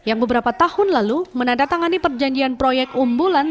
yang beberapa tahun lalu menandatangani perjanjian proyek umbulan